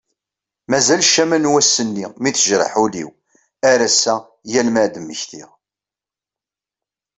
Mazal ccama n wass-nni mi tejreḥ ul-iw ar ass-a yal mi ad d-mmektiɣ.